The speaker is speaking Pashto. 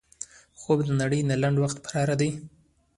خوب د نړۍ نه لنډ وخت فرار دی